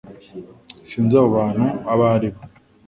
Sinzi abo bantu abo ari bo